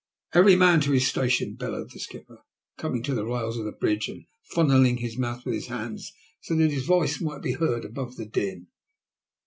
"Every man to his station," bellowed the skipper, coming to the rails of the bridge, and funneling his mouth with his hands so that his voice might be heard above the din.